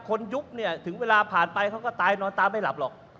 ยุบเนี่ยถึงเวลาผ่านไปเขาก็ตายนอนตาไม่หลับหรอก